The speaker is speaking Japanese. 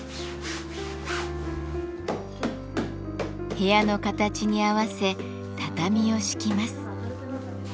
部屋の形に合わせ畳を敷きます。